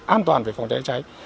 an toàn về phòng cháy chữa cháy